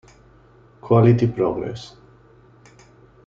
Quality Progress.